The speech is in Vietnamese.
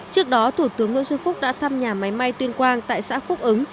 trước đó thủ tướng nguyễn xuân phúc đã thăm nhà máy may tuyên quang tại xã phúc ứng